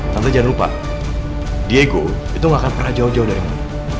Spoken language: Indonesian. tante jangan lupa diego itu nggak akan pernah jauh jauh dari kamu